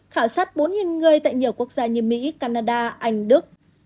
khảo sát bốn người tại nhiều quốc gia như mỹ canada anh đức